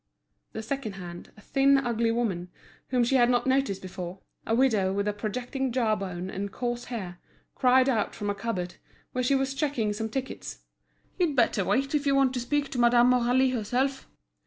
The second hand, a thin, ugly woman, whom she had not noticed before, a widow with a projecting jaw bone and coarse hair, cried out from a cupboard, where she was checking some tickets: "You'd better wait if you want to speak to Madame Aurélie herself."